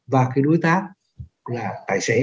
và cái đối tác là tài xế